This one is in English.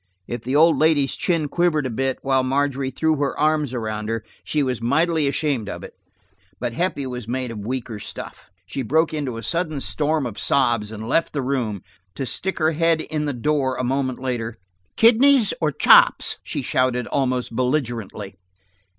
If the old lady's chin quivered a bit, while Margery threw her arms around her, she was mightily ashamed of it. But Heppie was made of weaker stuff. She broke into a sudden storm of sobs and left the room, to stick her head in the door a moment after. "Kidneys or chops?" she shouted almost belligerently.